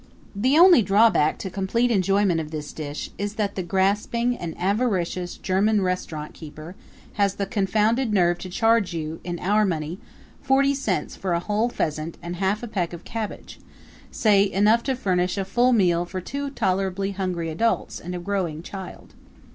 The only drawback to complete enjoyment of this dish is that the grasping and avaricious German restaurant keeper has the confounded nerve to charge you, in our money, forty cents for a whole pheasant and half a peck of cabbage say, enough to furnish a full meal for two tolerably hungry adults and a growing child.